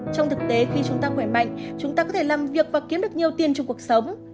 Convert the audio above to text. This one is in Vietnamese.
trong thực tế khi chúng ta khỏe mạnh chúng ta có thể làm việc và kiếm được nhiều tiền trong cuộc sống